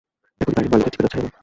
এখনই গাড়ির মালিকের ঠিকানা চাই আমার।